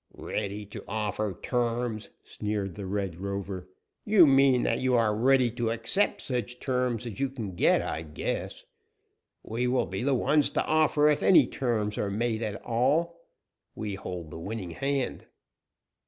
"Ready to offer terms," sneered the Red Rover. "You mean that you are ready to accept such terms as you can get, I guess. We will be the ones to offer, if any terms are made at all. We hold the winning hand."